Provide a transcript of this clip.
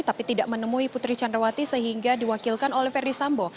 tapi tidak menemui putri canrawati sehingga diwakilkan oleh ferdi sambo